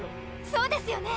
そうですよね。